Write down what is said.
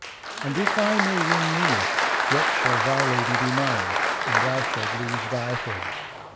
And if I may win thee, yet shall thy lady be mine, and thou shalt lose thy head.